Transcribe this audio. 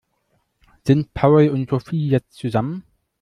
Sind Paul und Sophie jetzt zusammen?